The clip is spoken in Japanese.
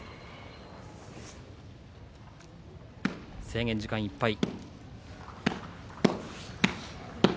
制限時間いっぱい。